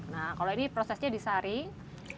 nah kalau ini prosesnya disaring